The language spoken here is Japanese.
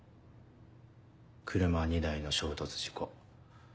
車２台の衝突事故。